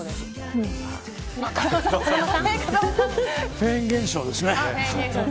フェーン現象ですね。